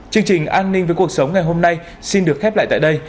chương trình an ninh với cuộc sống ngày hôm nay xin được khép lại tại đây